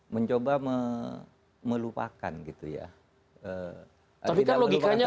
mencoba melupakan gitu ya tapi kan logikanya